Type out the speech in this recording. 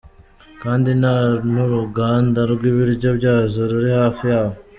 Kandi nta n’uruganda rw’ibiryo byazo ruri hafi yabo.